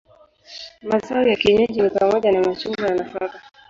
Mazao ya kienyeji ni pamoja na machungwa na nafaka.